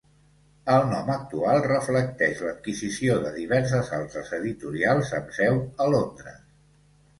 El nom actual reflecteix l'adquisició de diverses altres editorials amb seu a Londres.